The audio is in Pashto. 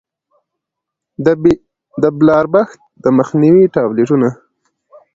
د بلاربښت د مخنيوي ټابليټونه